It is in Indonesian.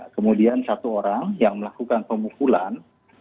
kemudian satu orang yang melakukan pemukulan